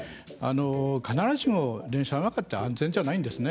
必ずしも電車の中は安全じゃないんですね。